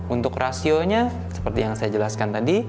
untuk rasionya seperti yang saya jelaskan tadi